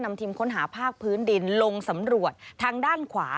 ทีมค้นหาภาคพื้นดินลงสำรวจทางด้านขวา